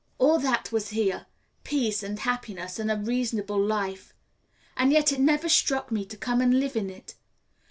All that was here, peace, and happiness, and a reasonable life, and yet it never struck me to come and live in it.